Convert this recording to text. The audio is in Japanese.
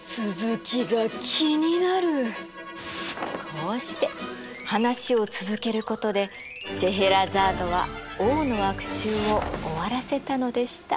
こうして話を続けることでシェエラザードは王の悪習を終わらせたのでした。